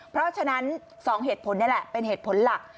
เพราะฉะนั้น๒เหตุผลนี่แหละเป็นเหตุผลหลัก